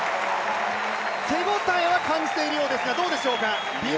手応えは感じているようですが、どうでしょうか。